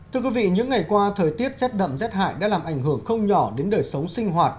thưa quý vị những ngày qua thời tiết rét đậm rét hại đã làm ảnh hưởng không nhỏ đến đời sống sinh hoạt